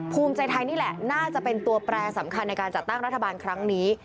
ภูมิใจไทยนี่แหละน่าจะเป็นตัวแปรสำคัญในการจัดตั้งรัฐบาลครั้งนี้